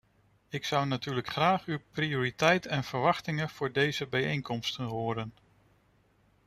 Ik zou natuurlijk graag uw prioriteiten en verwachtingen voor deze bijeenkomsten horen.